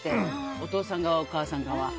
お父さん側、お母さん側。